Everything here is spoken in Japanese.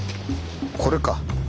これか今。